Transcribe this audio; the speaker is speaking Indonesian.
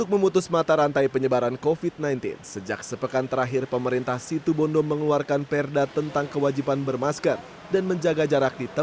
mereka juga harus menerima sanksi yang tidak bermakna